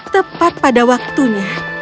tepat pada waktunya